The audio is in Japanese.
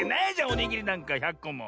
おにぎりなんか１００こも。